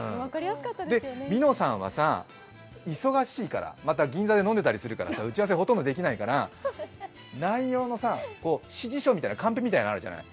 みのさんは忙しいから、で、銀座で飲んでたりするから打ち合わせほとんどできないから内容の指示書みたいなカンペみたいなのがあるじゃない。